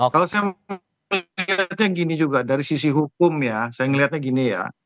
kalau saya melihatnya gini juga dari sisi hukum ya saya melihatnya gini ya